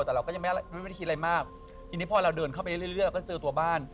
แต่เราก็ยังไม่ได้คิดอะไรมากทีนี้พอเราเดินเข้าไปเรื่อยเราก็เจอตัวบ้าน